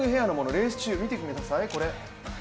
レース中、見てください、これ。